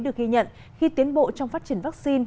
được ghi nhận khi tiến bộ trong phát triển vắc xin